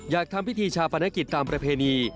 อยากทำพิธีชาปนกิจตามประเพณี